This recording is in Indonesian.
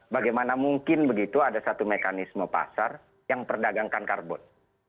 bagaimana mungkin begitu ada satu mekanisme pasar yang perdagangkan karbon